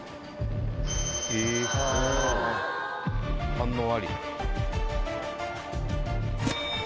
反応あり。